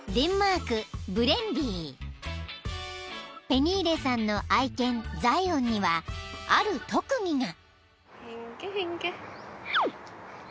［ペニーレさんの愛犬ザイオンにはある特技が］